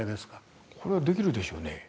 これはできるでしょうね。